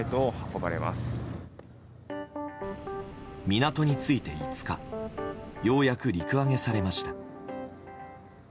港に着いて５日ようやく陸揚げされました。